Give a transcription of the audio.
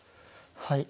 はい。